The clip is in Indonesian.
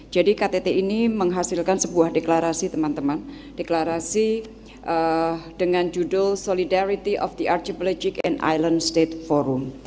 jadi ktt ini menghasilkan sebuah deklarasi teman teman deklarasi dengan judul solidarity of the archipelagic and island state forum